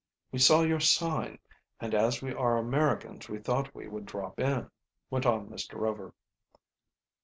"We saw your sign and as we are Americans we thought we would drop in," went on Mr. Rover.